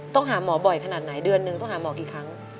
ต้องหาหมอบ่อยขนาดไหนเดือนนึงต้องหาหมอกี่ครั้ง